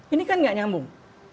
ini kan gak nyambung